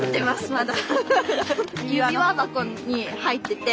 まだ。